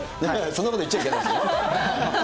そんなこと言っちゃいけないです